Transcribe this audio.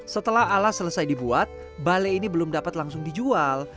setelah alas selesai dibuat balai ini belum dapat langsung dijual